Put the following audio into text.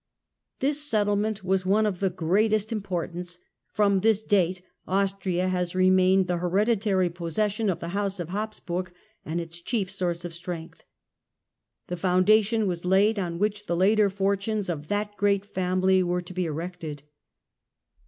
This settlement was of thr¥^^^,Jj^\';|^ greatest importance ; from this date Austria has remained A Austria the hereditary possession of the House of Habsburg and its chief source of strength. The foundation was laid on which the later fortunes of that great family were to be erected.